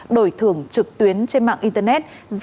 đổi thưởng trực tuyến trên mạng internet